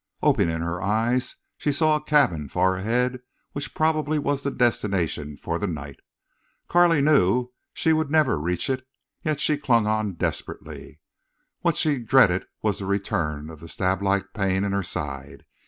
Opening her eyes, she saw a cabin far ahead which probably was the destination for the night. Carley knew she would never reach it, yet she clung on desperately. What she dreaded was the return of that stablike pain in her side.